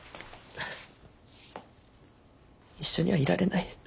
一緒にはいられない。